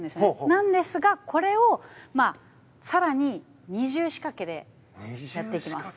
なんですが、これを更に二重仕掛けでやってきます。